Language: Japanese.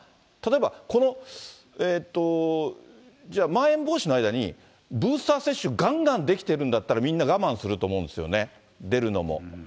例えば、じゃ、まん延防止の間に、ブースター接種がんがんできてるんだったら、みんな我慢すると思うんですよね、出るのも。